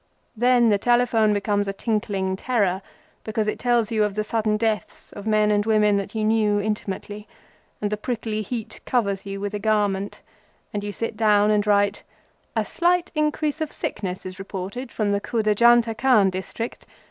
Then the telephone becomes a tinkling terror, because it tells you of the sudden deaths of men and women that you knew intimately, and the prickly heat covers you as with a garment, and you sit down and write:—"A slight increase of sickness is reported from the Khuda Janta Khan District.